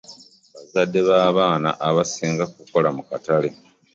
Bazadde babaana abasinga bakola mu katale.